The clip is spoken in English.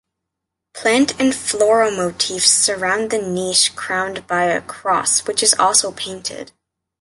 Plant and floral motifs surround the niche crowned by a cross which is also painted.